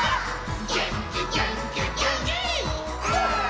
「げんきげんきげんきんー！」